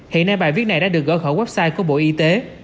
hiện nay bài viết này đã được gỡ khỏi website của bộ y tế